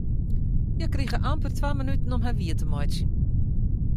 Hja krije amper twa minuten om har wier te meitsjen.